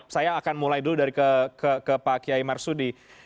saya akan mulai dulu dari ke pak kiai marsudi